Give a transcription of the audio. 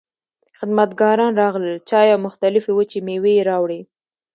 خدمتګاران راغلل، چای او مختلفې وچې مېوې يې راوړې.